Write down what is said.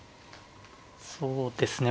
そうですね